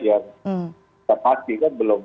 yang terpati kan belum